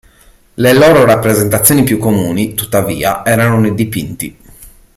Le loro rappresentazioni più comuni, tuttavia, erano nei dipinti.